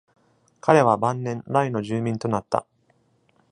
彼は晩年ライの住民となった。